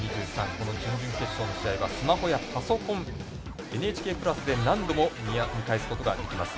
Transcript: この準々決勝の試合はスマホやパソコン「ＮＨＫプラス」で何度も見返すことができます。